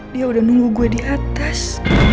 dia udah nunggu gue di atas